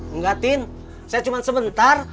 enggak tin saya cuma sebentar